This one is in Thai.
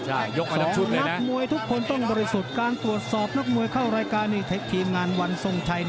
นักมวยทุกคนต้องบริสุทธิ์การตรวจสอบนักมวยเข้ารายการนี่เทคทีมงานวันทรงชัย